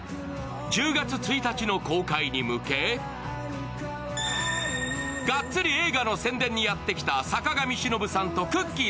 １０月１日の公開に向け、がっつり映画の宣伝にやってきた坂上忍さんとくっきー！